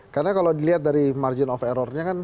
karena kalau dilihat dari margin of errornya kan